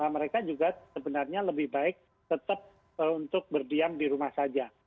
mereka juga sebenarnya lebih baik tetap untuk berdiam di rumah saja